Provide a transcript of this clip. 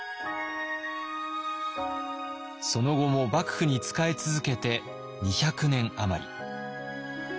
その後も幕府に仕え続けて２００年余り。